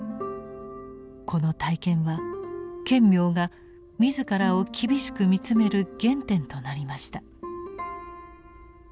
この体験は顕明が自らを厳しく見つめる原点となりました。